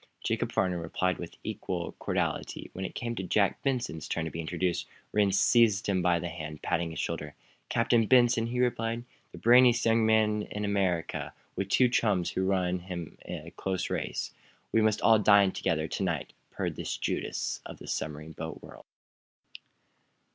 Jacob Farnum replied with equal cordiality. When it came Jack Benson's turn to be introduced, Rhinds seized him by the hand, patting his shoulder. "Captain Benson?" he repeated. "The brainiest young man in America with two chums who run him a close race. We must all dine together to night," purred this Judas of the submarine boat world.